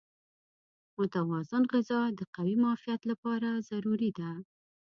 متوازن غذا د قوي معافیت لپاره ضروري ده.